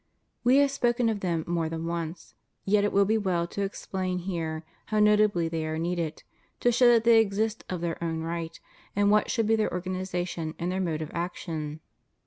We have spoken of them more than once ; yet it will be well to explain here how notably they are needed, to show that they exist of their own right, and what should be their organization and their mode of action.